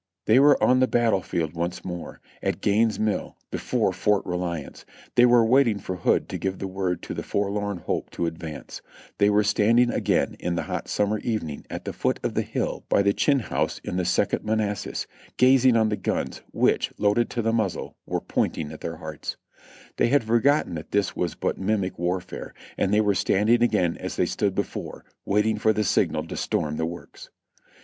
They were on the battle field once more. At Gaines" Mill, be fore Fort Reliance ; they were waiting for Hood to give the word to the Forlorn Hope to advance; they were standing again in the hot summer evening at the foot of the hill by the Chinn House in the Second ]\Ianassas, gazing on the guns, which, loaded to the muzzle, were pointing at their hearts ; they had forgotten that this was but mimic warfare, and they were standing again as th.ey had stood before, waiting for the signal to storm the works.